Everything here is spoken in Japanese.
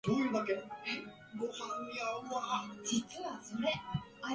まだですかー